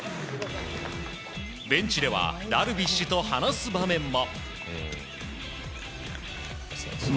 ベンチではダルビッシュと話す場面も。